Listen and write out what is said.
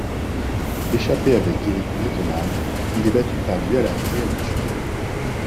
Échappé avec Gerrie Knetemann, il est battu par lui à l'arrivée à Dijon.